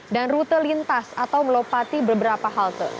dan rute lintas atau melopati beberapa halte